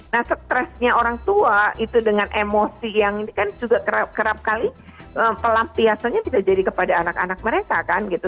nah stresnya orang tua itu dengan emosi yang ini kan juga kerap kali pelampiasannya tidak jadi kepada anak anak mereka kan gitu